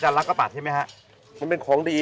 ชื่องนี้ชื่องนี้ชื่องนี้ชื่องนี้ชื่องนี้